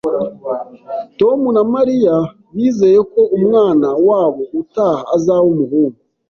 Tom na Mariya bizeye ko umwana wabo utaha azaba umuhungu